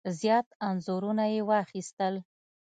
زیات انځورونه یې واخیستل.